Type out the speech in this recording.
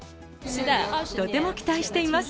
とても期待しています。